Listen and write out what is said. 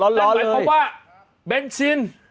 นั่นหมายความว่าเบนซิน